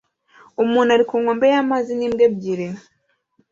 Umuntu ari ku nkombe y'amazi n'imbwa ebyiri